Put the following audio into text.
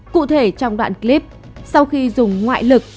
cụ thể trong đoạn clip sau khi dùng ngoại lực